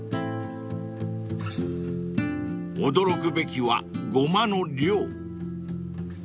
［驚くべきはゴマの量］